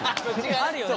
あるよね。